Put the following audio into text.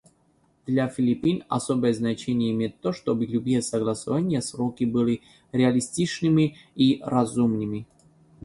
Для Филиппин особое значение имеет то, чтобы любые согласованные сроки были реалистичными и разумными.